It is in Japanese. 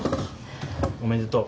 おめでとう。